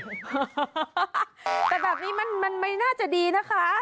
แต่แบบนี้มันไม่น่าจะดีนะคะ